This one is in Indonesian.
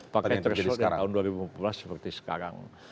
pakai threshold yang tahun dua ribu empat belas seperti sekarang